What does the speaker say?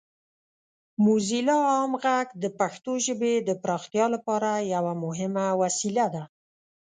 موزیلا عام غږ د پښتو ژبې د پراختیا لپاره یوه مهمه وسیله ده.